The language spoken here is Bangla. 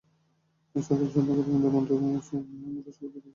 সকাল সন্ধা, গৌরনদী, মন্টু ঘোসের নাম, রসোগেল্লায় তাগো আছে যথেষ্ট সুনাম।